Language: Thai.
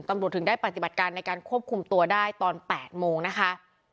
ถึงได้ปฏิบัติการในการควบคุมตัวได้ตอน๘โมงนะคะ